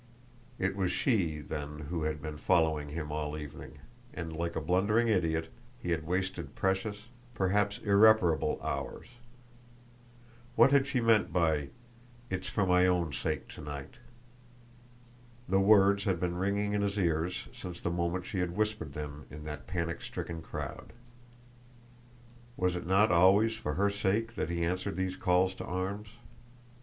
It was she, then, who had been following him all evening, and, like a blundering idiot, he had wasted precious, perhaps irreparable, hours! What had she meant by "It's for my sake to night"? The words had been ringing in his ears since the moment she had whispered them in that panic stricken crowd. Was it not always for her sake that he answered these calls to arms?